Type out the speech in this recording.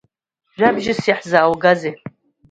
Жәабжьс иаҳзааугазеи?